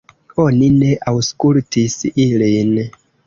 Oni ne aŭskultis ilin.